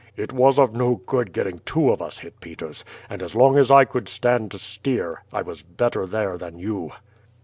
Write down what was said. "It was of no good getting two of us hit, Peters; and as long as I could stand to steer I was better there than you."